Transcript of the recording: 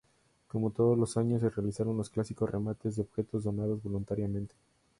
Como todos los años, se realizaron los clásicos remates de objetos donados voluntariamente.